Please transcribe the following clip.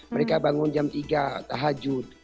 mereka bangun jam tiga tahajud